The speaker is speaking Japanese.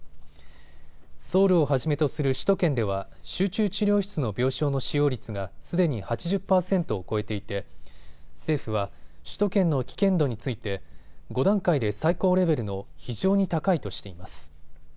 ソウルをはじめとする首都圏では集中治療室の病床の使用率がすでに８０％を超えていて政府は首都圏の危険度について５段階で最高レベルの非常に高いとしています。